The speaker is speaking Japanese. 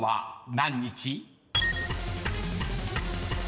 何日？